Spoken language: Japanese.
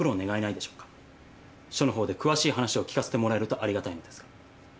署のほうで詳しい話を聞かせてもらえるとありがたいのですが。